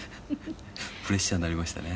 プレッシャーになりましたね。